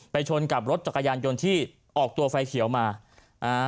ชนกับรถจักรยานยนต์ที่ออกตัวไฟเขียวมาอ่า